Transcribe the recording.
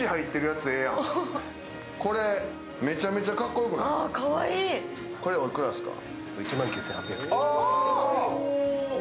これめちゃめちゃかっこよくない？おいくらですか？